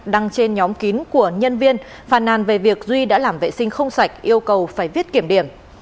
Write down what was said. đăng trên nhóm kín của nhân viên phà nàn về việc duy đã làm vệ sinh không sạch yêu cầu phải viết kiểm điểm